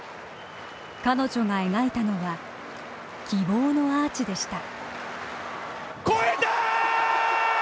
彼女が描いたのは希望のアーチでした。